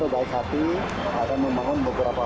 baik hati akan membangun beberapa